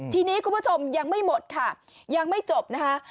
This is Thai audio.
ทีนี้คุณผู้ชมยังไม่หมดค่ะยังไม่จบนะคะ